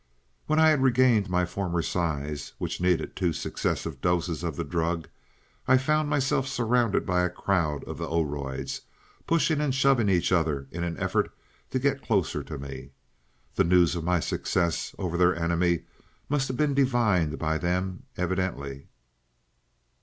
"When I had regained my former size, which needed two successive doses of the drug, I found myself surrounded by a crowd of the Oroids, pushing and shoving each other in an effort to get closer to me. The news of my success over their enemy have been divined by them, evidently.